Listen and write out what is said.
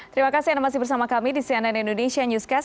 terima kasih anda masih bersama kami di cnn indonesia newscast